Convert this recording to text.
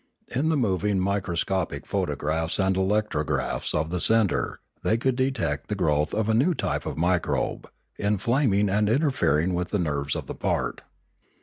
In the moving microscopic photographs and electrographs of the centre they could detect the growth of a new type of microbe, inflaming and interfering with the nerves of the part.